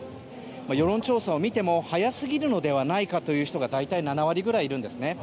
世論調査を見ても早すぎるのではないかという人が大体７割いるんですね。